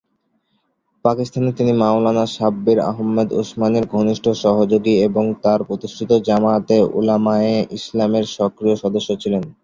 পাকিস্তানে তিনি মাওলানা শাব্বির আহমদ উসমানির ঘনিষ্ঠ সহযোগী এবং তাঁর প্রতিষ্ঠিত জমিয়তে উলামায়ে ইসলামের সক্রিয় সদস্য ছিলেন।